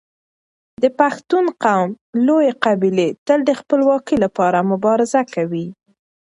د پښتون قوم لويې قبيلې تل د خپلواکۍ لپاره مبارزه کوي.